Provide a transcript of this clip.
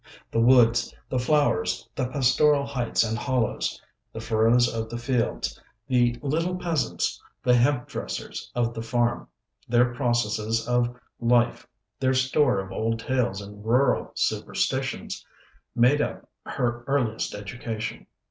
The woods, the flowers, the pastoral heights and hollows, the furrows of the fields, the little peasants, the hemp dressers of the farm, their processes of life, their store of old tales and rural superstitions made up her earliest education.